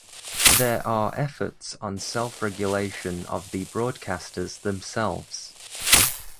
There are efforts on self-regulation of the broadcasters themselves.